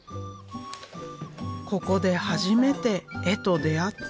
ここで初めて絵と出会った。